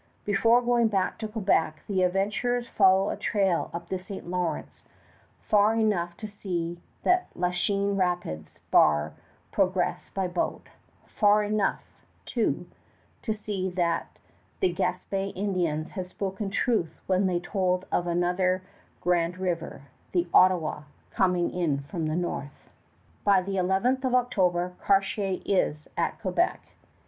Before going back to Quebec the adventurers follow a trail up the St. Lawrence far enough to see that Lachine Rapids bar progress by boat; far enough, too, to see that the Gaspé Indians had spoken truth when they told of another grand river the Ottawa coming in from the north. By the 11th of October Cartier is at Quebec.